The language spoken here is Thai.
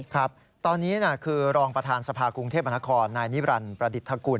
ครับตอนนี้คือรองประธานสภากรุงเทพมนครนายนิรันดิประดิษฐกุล